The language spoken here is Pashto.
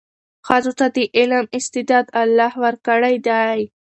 ښځو ته د علم استعداد الله ورکړی دی.